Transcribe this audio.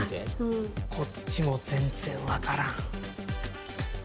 こっちも全然分からん。